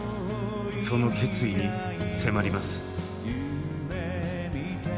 その決意に迫ります。